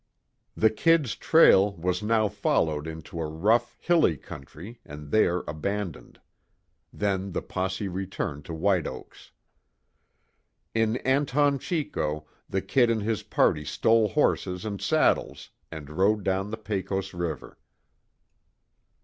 The "Kid's" trail was now followed into a rough, hilly country and there abandoned. Then the posse returned to White Oaks. In Anton Chico, the "Kid" and his party stole horses and saddles, and rode down the Pecos river.